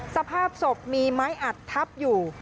สภาพศพมีไม้อัดทับอยู่